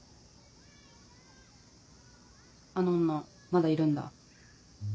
あの女まだいるんだ？